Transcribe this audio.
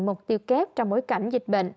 mục tiêu kép trong bối cảnh dịch bệnh